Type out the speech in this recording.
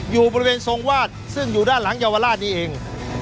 อยู่บริเวณทรงวาดซึ่งอยู่ด้านหลังเยาวราชนี้เอง